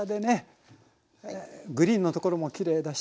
えグリーンのところもきれいだし。